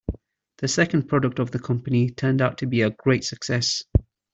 The second product of the company turned out to be a great success.